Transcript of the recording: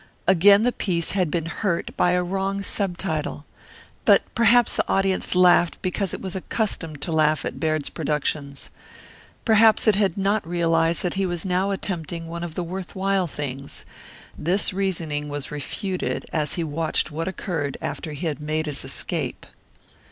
Again the piece had been hurt by a wrong subtitle. But perhaps the audience laughed because it was accustomed to laugh at Baird's productions. Perhaps it had not realized that he was now attempting one of the worth while things. This reasoning was refuted as he watched what occurred after he had made his escape.